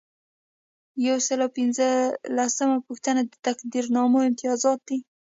یو سل او پنځلسمه پوښتنه د تقدیرنامو امتیازات دي.